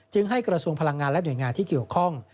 ให้กระทรวงพลังงานและหน่วยงานที่เกี่ยวข้อง